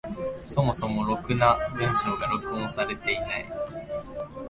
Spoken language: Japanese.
そもそもろくな文章が録音されていない。